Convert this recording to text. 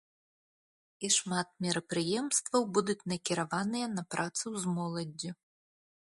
І шмат мерапрыемстваў будуць накіраваныя на працу з моладдзю.